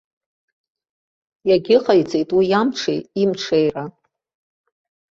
Иагьыҟаиҵеит уи амҽеи имҽеира.